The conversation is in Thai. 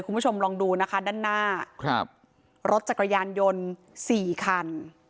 คุณผู้ชมลองดูนะคะด้านหน้าครับรถจักรยานยนต์สี่คัน